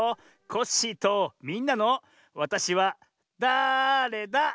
コッシーとみんなの「わたしはだれだ？」。